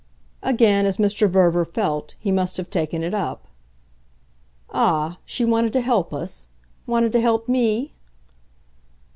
Again, as Mr. Verver felt, he must have taken it up. "Ah, she wanted to help us? wanted to help ME?"